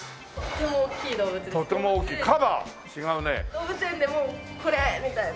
動物園でもこれ！みたいな。